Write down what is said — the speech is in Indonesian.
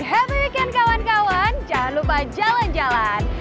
happy kan kawan kawan jangan lupa jalan jalan